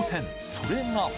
それが。